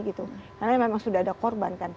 karena memang sudah ada korban